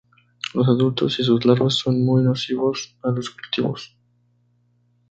Los adultos y sus larvas son muy nocivos a los cultivos.